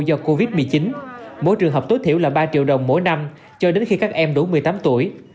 do covid một mươi chín mỗi trường hợp tối thiểu là ba triệu đồng mỗi năm cho đến khi các em đủ một mươi tám tuổi